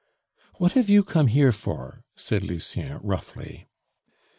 "What have you come here for?" said Lucien roughly.